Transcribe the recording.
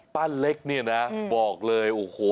ป้าเล็กเนี่ยนะบอกเลยโอ้โห